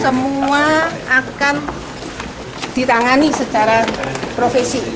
semua akan ditangani secara profesi